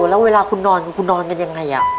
แล้วเวลาคุณนอนคุณนอนกันยังไง